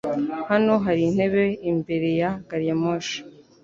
Hano hari intebe imbere ya gariyamoshi.